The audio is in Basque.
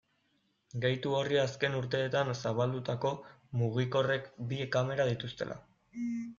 Gehitu horri azken urteetan zabaldutako mugikorrek bi kamera dituztela.